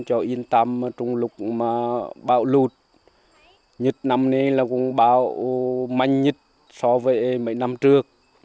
cho yên tâm trong lúc bảo lụt nhịp năm nay là cũng bảo manh nhịp so với mấy năm trước